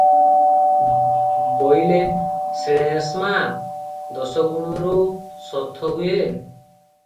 ବୋଇଲେ ଶ୍ଳେଷ୍ମା ଦୋଷ ଗୁଣରୁ ଶୋଥ ହୁଏ ।